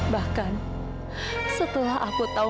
bahkan setelah aku tahu